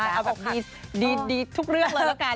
ใช่เอาแบบดีทุกเลือกเลยแล้วกัน